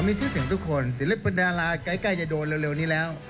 ขอมีชื่อถึงทุกคนศิลปนาราคาใกล้จะโดนเร็วนี้แล้ว